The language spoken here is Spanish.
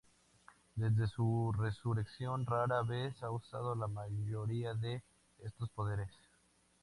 Desde su resurrección, rara vez ha usado la mayoría de estos poderes.